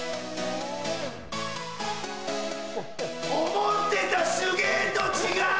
思ってた手芸と違う！